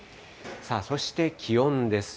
そして、気温です。